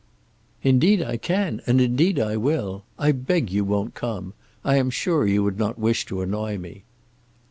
"Indeed I can, and indeed I will. I beg you won't come. I am sure you would not wish to annoy me."